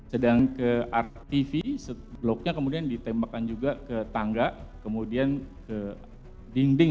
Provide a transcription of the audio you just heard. sedang ke rtv bloknya kemudian ditembakkan juga ke tangga kemudian ke dinding